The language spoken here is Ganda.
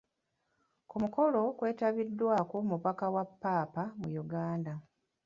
Ku mukolo kwetabiddwako omubaka wa Ppaapa mu Uganda.